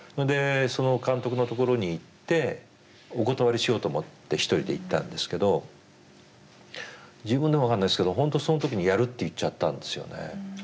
でその監督のところに行ってお断りしようと思って１人で行ったんですけど自分でも分かんないですけど本当その時にやるって言っちゃったんですよね。